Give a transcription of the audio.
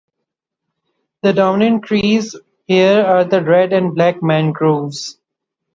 The dominant trees here are the red and black mangroves.